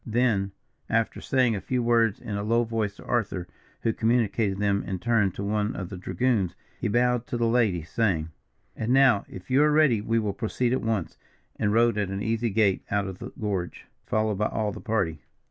Then, after saying a few words in a low voice to Arthur, who communicated them in turn to one of the dragoons, he bowed to the lady, saying: "And now, if you are ready, we will proceed at once," and rode at an easy gait out of the gorge, followed by all the party.